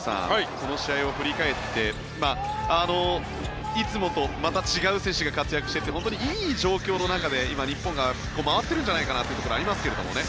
この試合を振り返っていつもとまた違う選手が活躍してという本当にいい状況の中で今、日本が回っているんじゃないかなというところがありますけどね。